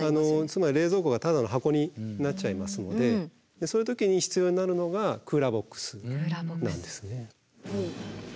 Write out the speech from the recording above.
つまり冷蔵庫がただの箱になっちゃいますのでそういう時に必要になるのがクーラーボックスなんですね。